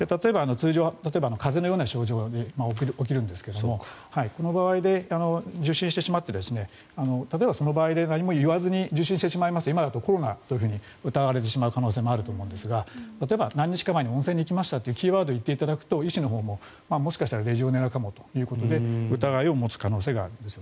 例えば風邪のような症状が起きるんですけれどこの場合で受診してしまって例えばその場合に何も言わずに受診してしまいますと今だとコロナと疑われてしまう可能性もあると思うんですが例えば何日か前に温泉に行きましたっていうキーワードを言ってもらうと医師のほうも、もしかしたらレジオネラかもということで疑いを持つ可能性があるんです。